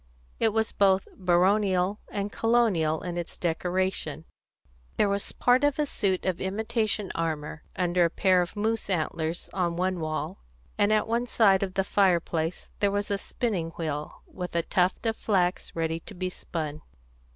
It was both baronial and colonial in its decoration; there was part of a suit of imitation armour under a pair of moose antlers on one wall, and at one side of the fireplace there was a spinning wheel, with a tuft of flax ready to be spun.